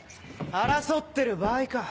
争ってる場合か？